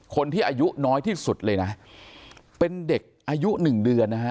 คนที่อายุน้อยที่สุดเลยนะเป็นเด็กอายุหนึ่งเดือนนะฮะ